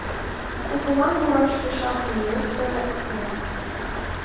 Кукулан мураш пешак йӧсӧ да.